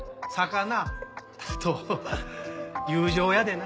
あと友情やでな。